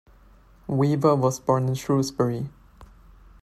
Weaver was born in Shrewsbury.